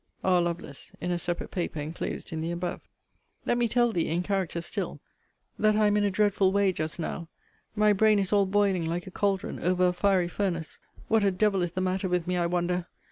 R. LOVELACE. IN A SEPARATE PAPER ENCLOSED IN THE ABOVE. Let me tell thee, in characters still, that I am in a dreadful way just now. My brain is all boiling like a cauldron over a fiery furnace. What a devil is the matter with me, I wonder!